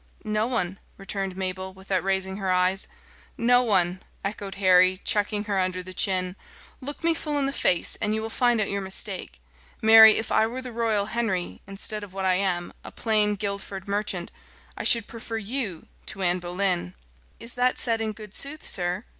"No one," returned Mabel, without raising her eyes. "No one," echoed Harry, chucking her under the chin. "Look me full in the face, and you will find out your mistake. Marry, if I were the royal Henry, instead of what I am, a plain Guildford merchant, I should prefer you to Anne Boleyn." "Is that said in good sooth, sir?"